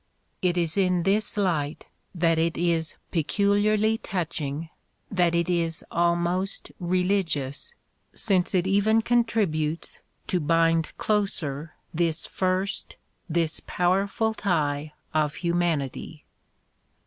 It is in this light that it is peculiarly touching, that it is almost religious, since it even contributes to bind closer this first, this powerful tie of humanity.